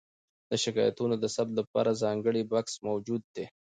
د شکایتونو د ثبت لپاره ځانګړی بکس موجود دی.